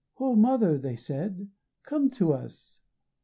"And, mother," they said "Come to us!